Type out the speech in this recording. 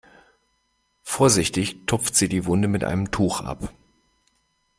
Vorsichtig tupft sie die Wunde mit einem Tuch ab.